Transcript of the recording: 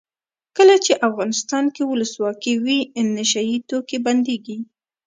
کله چې افغانستان کې ولسواکي وي نشه یي توکي بندیږي.